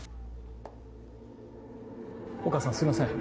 お義母さんすいません。